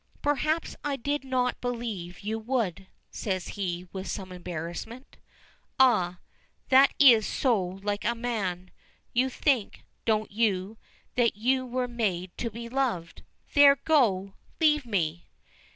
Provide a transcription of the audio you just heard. "Perhaps I did not believe you would," says he, with some embarrassment. "Ah! That is so like a man! You think, don't you, that you were made to be loved? There, go! Leave me!"